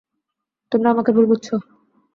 তোমরা আমাকে ভুল বুঝছো।